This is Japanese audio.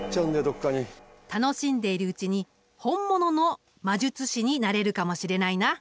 楽しんでいるうちに本物の魔術師になれるかもしれないな。